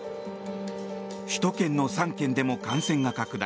首都圏の３県でも感染が拡大。